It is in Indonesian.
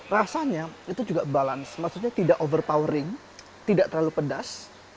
rasanya itu juga balance maksudnya tidak overpowering tidak terlalu pedas